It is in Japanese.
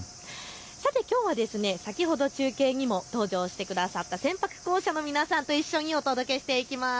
さてきょうは先ほど中継にも登場してくださったせんぱく工舎の皆さんと一緒にお届けしていきます。